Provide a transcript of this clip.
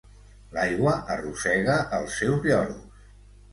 L'aigua arrossega els seus lloros.